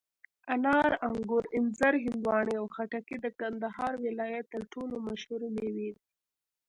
انار، انګور، انځر، هندواڼې او خټکي د کندهار ولایت تر ټولو مشهوري مېوې دي.